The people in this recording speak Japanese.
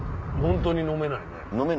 本当に飲めないね。